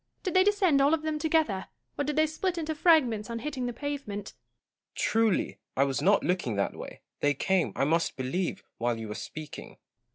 Did they descend all of them together ; or did they split into fragments on hitting the pavement ? Gaunt. Truly, I was not looking that way : they came, I must believe, while you were speaking.